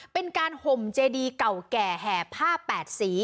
เป็นการห่มเจดีเก่าแก่แห่ผ้า๘สี